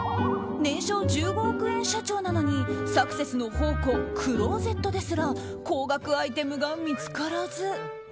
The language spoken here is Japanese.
年商１５億円社長なのにサクセスの宝庫クローゼットですら高額アイテムが見つからず。